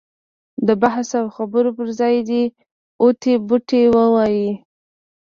د بحث او خبرو پر ځای دې اوتې بوتې ووایي.